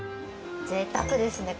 ぜいたくですね。